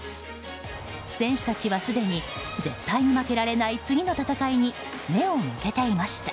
選手たちはすでに絶対に負けられない次の戦いに目を向けていました。